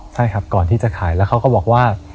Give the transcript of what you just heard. ใช่ครับก่อนที่จะขายแล้วเขาก็บอกว่า